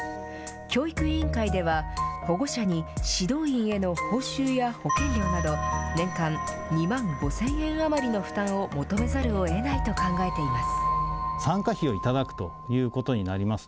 教育委員会では保護者に指導員への報酬や保険料など、年間２万５０００円余りの負担を求めざるをえないと考えています。